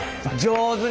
上手。